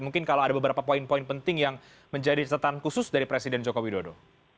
mungkin kalau ada beberapa poin poin penting yang menjadi catatan khusus dari presiden joko widodo